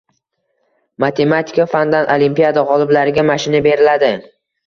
Matematika fanidan olimpiada gʻoliblariga mashina beriladi!